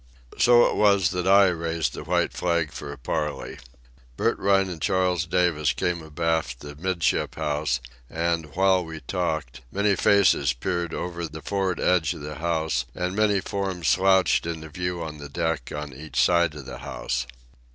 So it was that I raised the white flag for a parley. Bert Rhine and Charles Davis came abaft the 'midship house, and, while we talked, many faces peered over the for'ard edge of the house and many forms slouched into view on the deck on each side of the house.